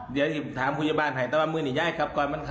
จะถามพี่ยาบาลให้ทั้งบาทยายกลับก่อนแล้วหรอ